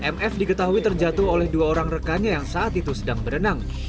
mf diketahui terjatuh oleh dua orang rekannya yang saat itu sedang berenang